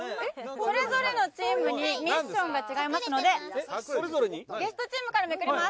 それぞれのチームにミッションが違いますのでゲストチームからめくります。